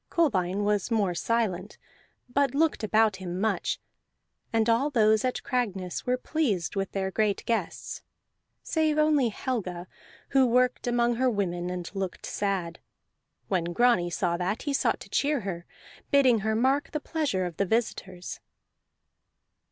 Kolbein was more silent, but looked about him much; and all those at Cragness were pleased with their great guests, save only Helga, who worked among her women and looked sad. When Grani saw that, he sought to cheer her, bidding her mark the pleasure of the visitors.